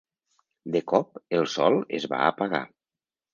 De cop, el sol es va apagar.